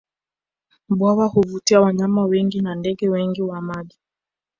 Bwawa huvutia wanyama wengi na ndege wengi wa maji